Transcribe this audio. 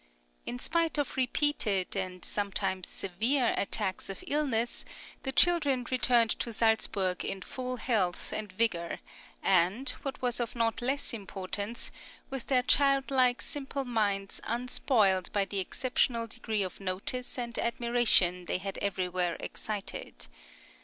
In spite of repeated, and sometimes severe, attacks of illness, the children returned to Salzburg in full health and vigour, and, what was of not less importance, with their childlike simple minds unspoiled by the exceptional degree of notice and admiration they had everywhere excited.